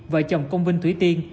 vợ chồng công vinh thủy tiên